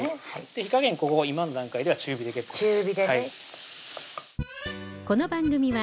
火加減今の段階では中火で結構です